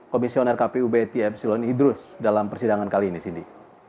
komisioner kpu betty epsilon idrus dalam persidangan kali ini sindi